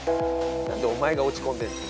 何でお前が落ち込んでる。